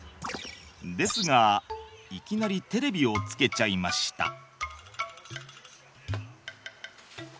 ですがいきなりテレビをつけちゃいました。